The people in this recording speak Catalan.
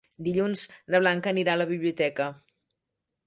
Dilluns na Blanca anirà a la biblioteca.